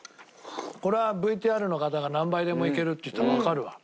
これはＶＴＲの方が「何杯でもいける」って言ったのわかるわ。